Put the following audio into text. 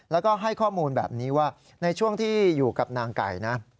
แล้วก็ให้ข้อมูลแบบนี้ว่าในช่วงที่อยู่กับนางไก่นะ